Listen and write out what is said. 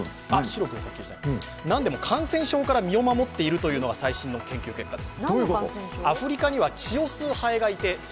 なんでも感染症から身を守っているというのが最新の研究です。